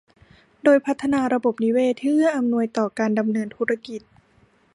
โดยพัฒนาระบบนิเวศที่เอื้ออำนวยต่อการดำเนินธุรกิจ